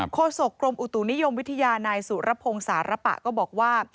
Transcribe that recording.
โศกกรมอุตุนิยมวิทยานายสุรพงศ์สารปะก็บอกว่า